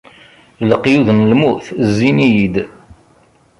Leqyud n lmut zzin-iyi-d.